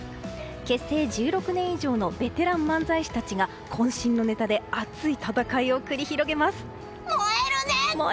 結成１６年以上のベテラン漫才師たちが渾身のネタで熱い戦いを繰り広げます。